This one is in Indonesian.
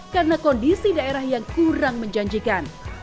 karena kondisi daerah yang kurang menjanjikan